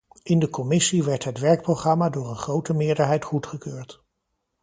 In de commissie werd het werkprogramma door een grote meerderheid goedgekeurd.